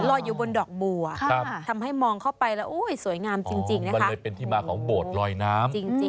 ลอยอยู่บนดอกบัวทำให้มองเข้าไปแล้วอุ้ยสวยงามจริงนะคะมันเลยเป็นที่มาของโบสถ์ลอยน้ำจริง